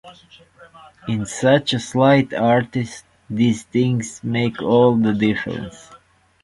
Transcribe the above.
In such a slight artist, these things make all the difference.